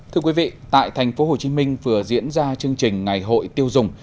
thưa quý vị tại tp hcm vừa diễn ra chương trình ngày hội tiêu dùng